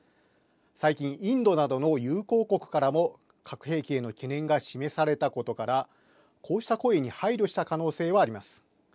最近、インドなどの友好国からも核兵器への懸念が示されたことからこうした声に配慮した可能性はあります。